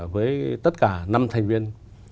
với tất cả năm thành viên